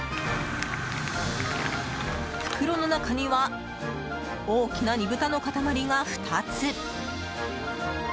袋の中には大きな煮豚の塊が２つ。